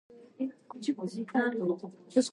Теләп килдем, әй балам!